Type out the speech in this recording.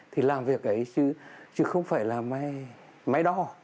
thì làm việc ấy chứ không phải là máy đo